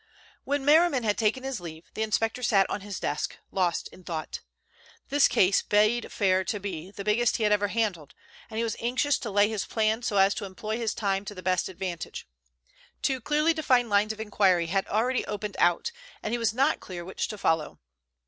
When Merriman had taken his leave the inspector sat on at his desk, lost in thought. This case bade fair to be the biggest he had ever handled, and he was anxious to lay his plans so as to employ his time to the best advantage. Two clearly defined lines of inquiry had already opened out, and he was not clear which to follow.